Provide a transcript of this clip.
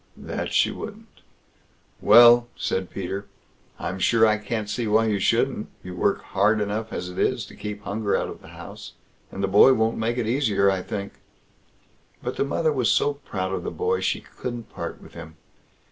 that she wouldn't. "Well!" said Peter, "I'm sure I can't see why you shouldn't; you've hard work enough as it is to keep hunger out of the house, and the boy won't make it easier, I think." But the mother was so proud of the boy, she couldn't part with him.